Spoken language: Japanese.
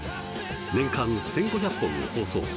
年間１，５００本を放送。